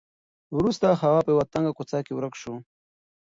وروسته هغه په یوه تنګه کوڅه کې ورک شو.